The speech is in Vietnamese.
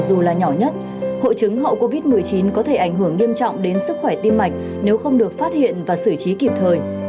dù là nhỏ nhất hội chứng hậu covid một mươi chín có thể ảnh hưởng nghiêm trọng đến sức khỏe tim mạch nếu không được phát hiện và xử trí kịp thời